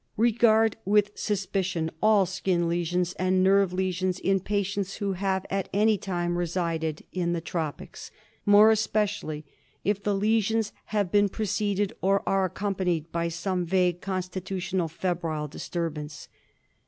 Regard with suspicion all skin lesions and nerve lesions in patients who have at any time resided in the LEPROTIC FEVER. 1 89 tropics, more especially if the lesions have been preceded or are accompanied by some vague constitutional febrile disturbance.